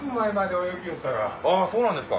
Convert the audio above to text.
あぁそうなんですか。